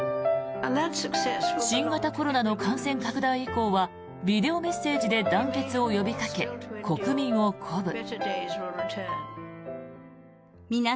新型コロナの感染拡大以降はビデオメッセージで団結を呼びかけ国民を鼓舞。